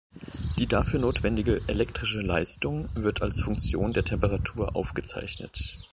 Die dafür notwendige elektrische Leistung wird als Funktion der Temperatur aufgezeichnet.